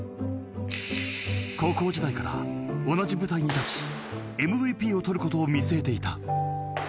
高校時代から同じ舞台に立ちＭＶＰを取ることを見据えていた。